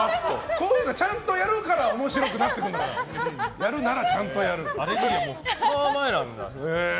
こういうのはちゃんとやるから面白くなってくるんだから２日前なんだ。